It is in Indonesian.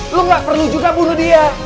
lu gak perlu juga bunuh dia